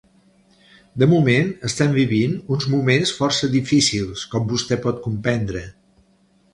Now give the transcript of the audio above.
De moment estem vivint uns moments força difícils, com vostè pot comprendre.